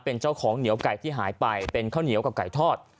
เป็นเจ้าของเหนียวไก่ที่หายไปเป็นข้าวเหนียวกับไก่ทอด